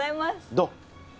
どう？